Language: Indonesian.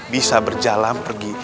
bisa berjalan pergi